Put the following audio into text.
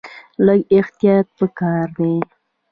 لږ احتیاط په کار دی.